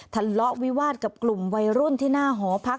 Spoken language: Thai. ทะเลาะวิวาสกับกลุ่มวัยรุ่นที่หน้าหอพัก